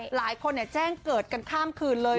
หลายคนแจ้งเกิดกันข้ามคืนเลย